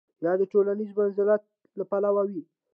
یا د ټولنیز منزلت له پلوه وي.